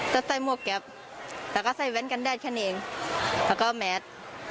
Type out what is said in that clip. ใส่หมวกแก๊ปแล้วก็ใส่แว่นกันแดดแค่นี้เองแล้วก็แมส